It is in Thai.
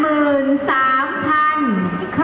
น้องชื่อค่ะ